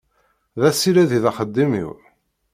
D asired i d axeddim-w.